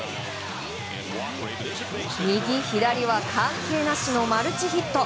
右、左は関係なしのマルチヒット。